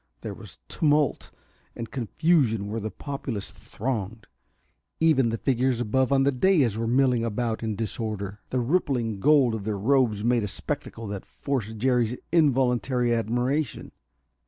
There was tumult and confusion where the populace thronged. Even the figures above on the dais were milling about in disorder; the rippling gold of their robes made a spectacle that forced Jerry's involuntary admiration.